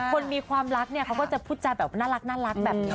คนมีความรักเนี่ยเขาก็จะพูดจาแบบน่ารักแบบนี้